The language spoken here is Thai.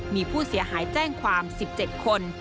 มีผู้เสียหายแจ้งความ๑๗คน